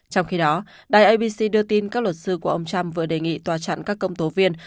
trong khi đó đài abc đưa tin các luật sư của ông trump vừa đề nghị tòa chặn các công tố viên